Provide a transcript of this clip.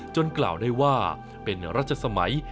กล่าวได้ว่าเป็นรัชสมัย